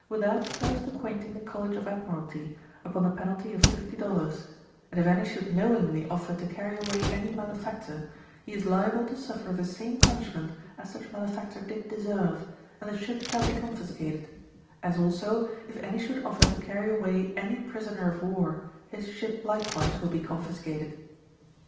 without first acquainting the College of Admiralty, upon the penalty of 50 dollars ; and if any should knowingly offer to carry away any malefactor, he is liable to sufiTer the same punishment as such malefactor did deserve, and the ship shall be confiscated ; as also, if any should offer to carry away any prisoner of war, his ship likewise will be confiscatea.